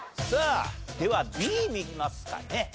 さあではＢ見ますかね。